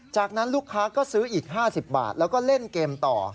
จากนั้นลูกค้าก็ซื้ออีก๕๐บาทแล้วก็เล่นเกมต่อ